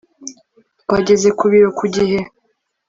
Twageze ku biro ku gihe